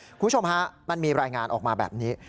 คุณผู้ชมฮะมันมีรายงานออกมาแบบนี้